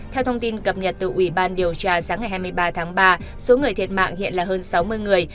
theo thông tin cập nhật từ ủy ban điều tra sáng ngày hai mươi ba tháng ba số người thiệt mạng hiện là hơn sáu mươi người